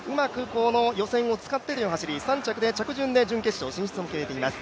この予選を使っての走り、３着で、着順で準決勝進出を決めています。